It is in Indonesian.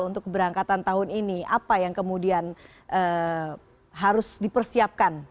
untuk keberangkatan tahun ini apa yang kemudian harus dipersiapkan